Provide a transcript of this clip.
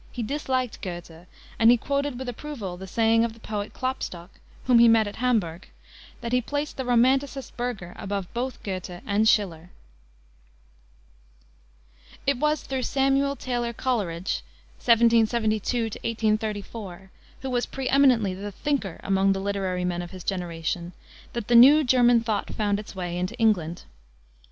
He disliked Goethe, and he quoted with approval the saying of the poet Klopstock, whom he met at Hamburg, that he placed the romanticist Burger above both Goethe and Schiller. It was through Samuel Taylor Coleridge (1772 1834), who was pre eminently the thinker among the literary men of his generation, that the new German thought found its way into England.